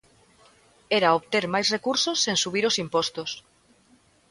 Era obter máis recursos sen subir os impostos.